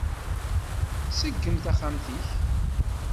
Ṣeggem taxxamt-ik!